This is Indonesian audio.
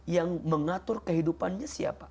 yang mengatur kehidupannya siapa